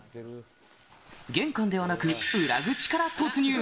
玄関ではなく、裏口から突入。